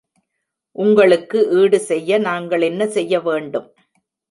உங்களுக்கு ஈடுசெய்ய நாங்கள் என்ன செய்ய வேண்டும்?